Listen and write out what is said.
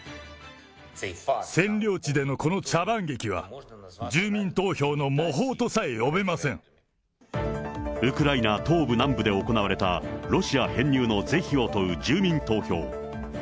占領地でのこの茶番劇は、ウクライナ東部、南部で行われたロシア編入の是非を問う住民投票。